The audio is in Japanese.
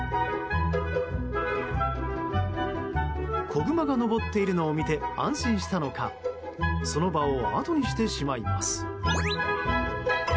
子グマが登っているのを見て安心したのかその場をあとにしてしまいます。